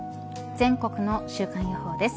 全国の週間予報です。